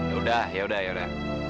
yaudah yaudah yaudah